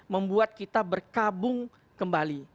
membuat kita berkabung kembali